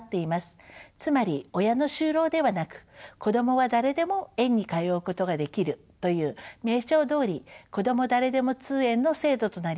つまり親の就労ではなく子どもは誰でも園に通うことができるという名称どおりこども誰でも通園の制度となります。